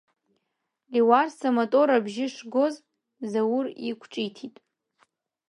Леуарса, амотор абжьы шгоз, Заур иқәҿиҭит…